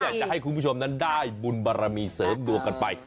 อยากจะให้คุณผู้ชมนั้นได้บุญบารมีเสริมดวงกันไป